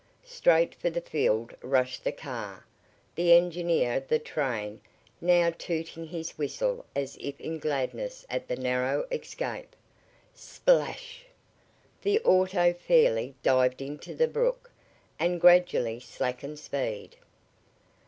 Straight for the field rushed the car, the engineer of the train now tooting his whistle as if in gladness at the narrow escape. Splash! The auto fairly dived into the brook, and gradually slackened speed.